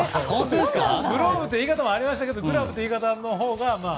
グローブっていう言い方もありましたがグラブっていう言い方のほうが。